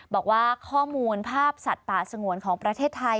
บอกว่าข้อมูลภาพสัตว์ป่าสงวนของประเทศไทย